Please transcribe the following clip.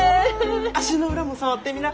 足の裏も触ってみな！